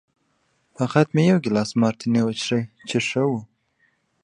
فقط مې یو ګیلاس مارتیني وڅښی چې ښه و.